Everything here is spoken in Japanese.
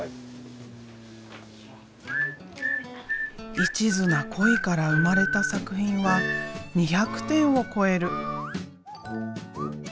一途な恋から生まれた作品は２００点を超える。